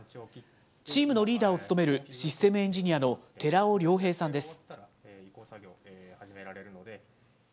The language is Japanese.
チームのリーダーを務めるシステムエンジニアの寺尾遼平さんです。